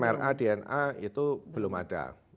ra dna itu belum ada